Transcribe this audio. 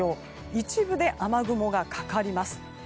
一部で雨雲がかかります。